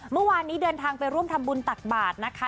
เมื่อวานนี้เดินทางไปร่วมทำบุญตักบาทนะคะ